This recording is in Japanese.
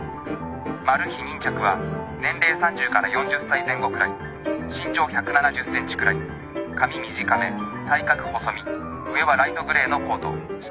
マル被人着は年齢３０から４０歳前後くらい身長１７０ｃｍくらい髪短め体格細身上はライトグレーのコート下は濃いグレーのズボン。